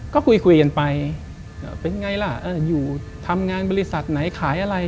ก็คุยกันไปเป็นไงล่ะอยู่ทำงานบริษัทไหนขายอะไร